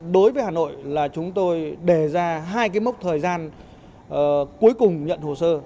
đối với hà nội là chúng tôi đề ra hai cái mốc thời gian cuối cùng nhận hồ sơ